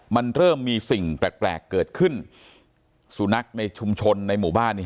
มันเริ่มมีสิ่งแปลกแปลกเกิดขึ้นสุนัขในชุมชนในหมู่บ้านนี้